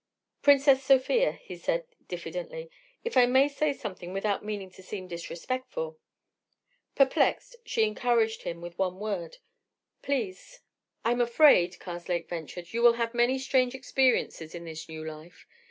"Princess Sofia," said he, diffidently, "if I may say something without meaning to seem disrespectful—" Perplexed, she encouraged him with one word: "Please." "I'm afraid," Karslake ventured, "you will have many strange experiences in this new life.